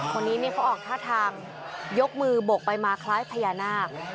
คนนี้เขาออกท่าทางยกมือบกไปมาคล้ายพญานาค